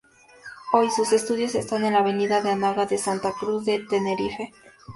Hoy, sus estudios están en la avenida de Anaga de Santa Cruz de Tenerife.